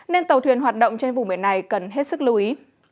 nên tàu thuyền hoạt động trên vùng biển này cần hết sức lưu ý